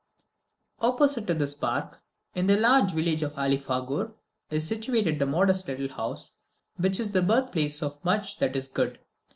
Opposite this park, in the large village of Alifaughur, is situated a modest little house, which is the birthplace of much that is good.